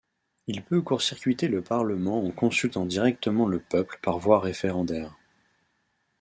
Il peut court-circuiter le parlement en consultant directement le peuple par voie référendaire.